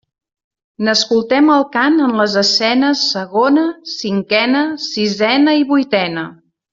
N'escoltem el cant en les escenes segona, cinquena, sisena i vuitena.